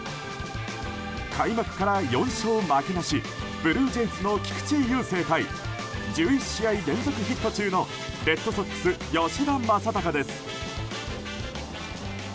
開幕から４勝負けなしブルージェイズの菊池雄星対１１試合連続ヒット中のレッドソックス吉田正尚です。